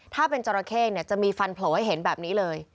ถ้าเป็นจราเข้จะมีฟันโผล่ให้เห็นแบบนี้เลย